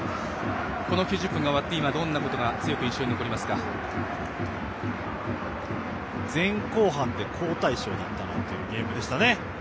この９０分が終わって今、どんなことが前後半で好対照だったなというゲームでしたね。